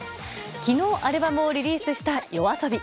昨日、アルバムをリリースしたＹＯＡＳＯＢＩ。